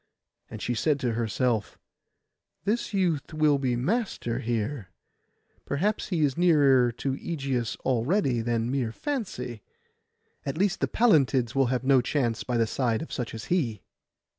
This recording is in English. And she said to herself, 'This youth will be master here; perhaps he is nearer to Ægeus already than mere fancy. At least the Pallantilds will have no chance by the side of such as he.